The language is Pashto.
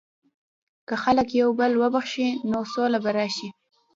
که خلک یو بل وبخښي، نو سوله به راشي.